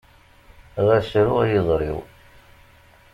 Ɣas ru ay iẓri-w.